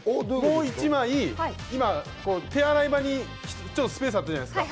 戸を一枚、手洗い場にスペースがあったじゃないですか。